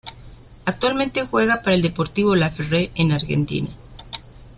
Actualmente juega para el Deportivo Laferrere en Argentina.